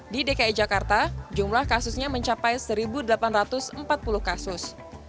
di dki jakarta jumlah kasusnya mencapai satu delapan ratus empat puluh kasus